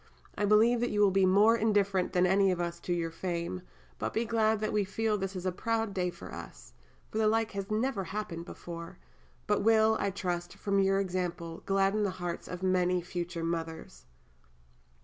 I believe that you will be more indifferent than any of us to your fame, but be glad that we feel this is a proud day for us; for the like has never happened before, but will, I trust, from your example, gladden the hearts of many future mothers.